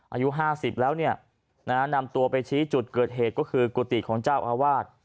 อายุ๕๐แล้วเนี่ยนะฮะนำตัวไปชี้จุดเกิดเหตุก็คือกุฏิของเจ้าอาวาส